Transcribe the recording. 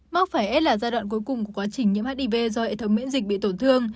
mắc phải s là giai đoạn cuối cùng của quá trình nhiễm hiv do hệ thống miễn dịch bị tổn thương